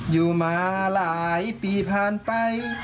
อยู่มาหลายปีผ่านไป